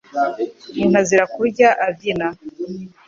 Umuntu azira kurya abyina,